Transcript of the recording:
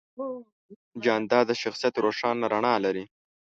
جانداد د شخصیت روښانه رڼا لري.